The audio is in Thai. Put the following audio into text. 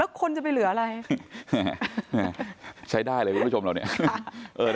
แล้วคนจะไปเหลืออะไรใช้ได้เลยคุณผู้ชมเราเนี่ย